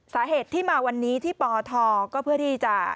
สาเหตุที่มาวันนี้ที่ปทก็เพื่อที่จะ